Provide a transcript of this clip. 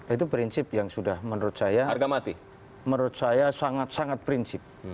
itu prinsip yang sudah menurut saya sangat sangat prinsip